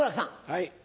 はい。